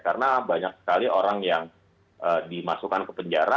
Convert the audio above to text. karena banyak sekali orang yang dimasukkan ke penjara